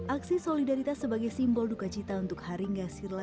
aksi solidaritas sebagai simbol duka cita untuk haringga sirla